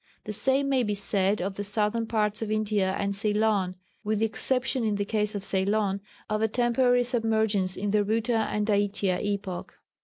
The same may be said of the southern parts of India and Ceylon, with the exception in the case of Ceylon, of a temporary submergence in the Ruta and Daitya epoch.